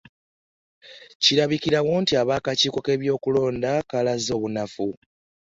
Agambye nti, “Kirabikirawo nti akakiiko k'ebyokulonda kalaze obunafu"